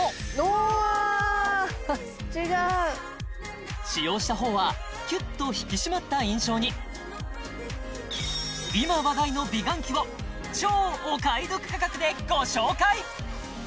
わっ違う使用したほうはキュッと引き締まった印象に今話題の美顔器を超お買い得価格でご紹介！